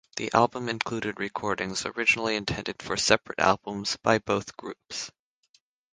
The album included recordings originally intended for separate albums by both groups.